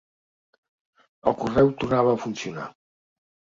El correu tornava a funcionar